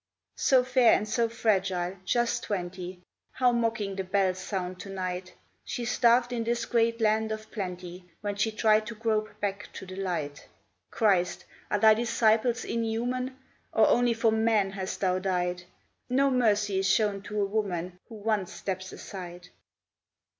So fair and so fragile! just twenty How mocking the bells sound to night! She starved in this great land of plenty, When she tried to grope back to the light. Christ. are Thy disciples inhuman, Or only for men hast Thou died? No mercy is shown to a woman Who once steps aside.